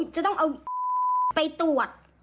จะต้องเอาไปตรวจ